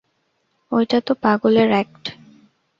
ঐটা তো পাগলের অ্যাক্ট।